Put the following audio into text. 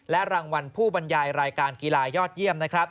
รางวัลผู้บรรยายรายการกีฬายอดเยี่ยมนะครับ